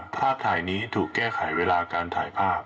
ภาพถ่ายนี้ถูกแก้ไขเวลาการถ่ายภาพ